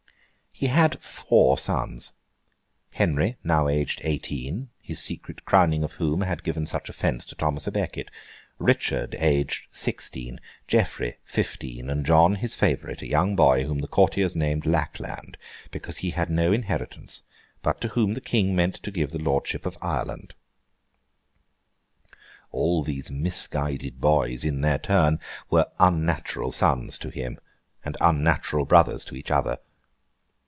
He had four sons. Henry, now aged eighteen—his secret crowning of whom had given such offence to Thomas à Becket. Richard, aged sixteen; Geoffrey, fifteen; and John, his favourite, a young boy whom the courtiers named Lackland, because he had no inheritance, but to whom the King meant to give the Lordship of Ireland. All these misguided boys, in their turn, were unnatural sons to him, and unnatural brothers to each other.